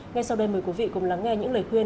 ngay sau đây mời quý vị cùng lắng nghe những lời khuyên